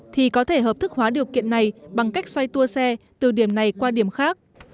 thì có thể hợp thức hóa điều kiện này bằng cách xoay tua xe từ điểm này qua điểm khác